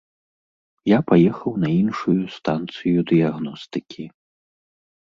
Я паехаў на іншую станцыю дыягностыкі.